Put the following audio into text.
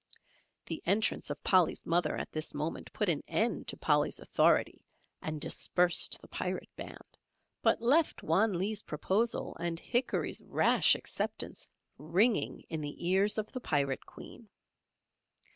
The entrance of Polly's mother at this moment put an end to Polly's authority and dispersed the pirate band, but left Wan Lee's proposal and Hickory's rash acceptance ringing in the ears of the Pirate Queen.